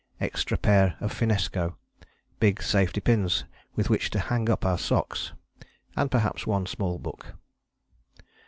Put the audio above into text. Extra pair of finnesko. Big safety pins with which to hang up our socks. And perhaps one small book.